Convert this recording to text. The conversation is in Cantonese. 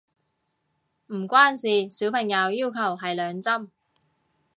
唔關事，小朋友要求係兩針